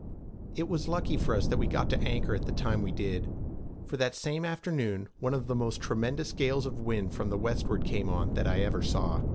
It was lucky for us that we got to anchor at the time we did, for that same afternoon, one of the most tremendous gales of wind from the westward came on that I ever saw.